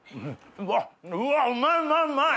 うわっうまいうまいうまい！